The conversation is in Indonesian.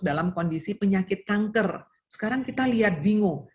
dalam kondisi penyakit kanker sekarang kita lihat bingung